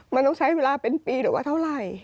มันต้องใช้เวลาเป็นปีหรือว่าเท่าไหร่